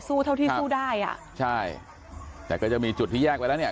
เท่าที่สู้ได้อ่ะใช่แต่ก็จะมีจุดที่แยกไปแล้วเนี่ย